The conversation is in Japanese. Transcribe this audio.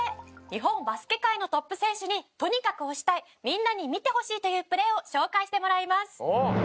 日本バスケ界のトップ選手にとにかく推したいみんなに見てほしいというプレーを紹介してもらいます。